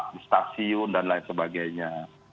di stasiun dan lain sebagainya